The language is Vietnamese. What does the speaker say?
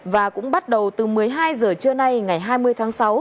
và cũng bắt đầu từ một mươi hai giờ trưa nay ngày hai mươi tháng sáu